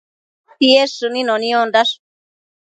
Tied shënino niondash